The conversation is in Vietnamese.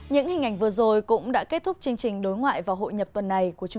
những hình ảnh vừa rồi cũng đã kết thúc